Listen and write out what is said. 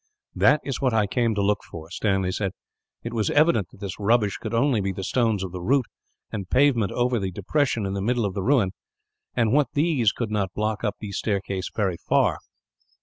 "That is what I came to look for," Stanley said. "It was evident that this rubbish could only be the stones of the root, and pavement over the depression in the middle of the ruin; and that these could not block up this staircase very far.